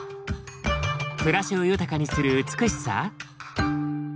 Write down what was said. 暮らしを豊かにする美しさ？